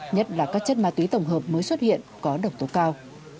nhất là các chất ma túy tổng hợp mới xuất hiện có độc tố cao